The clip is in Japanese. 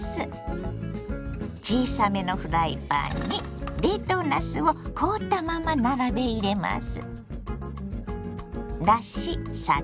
小さめのフライパンに冷凍なすを凍ったまま並べ入れます。